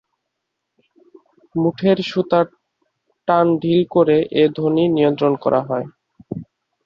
মুঠের সুতা টান-ঢিল করে এ ধ্বনি নিয়ন্ত্রণ করা হয়।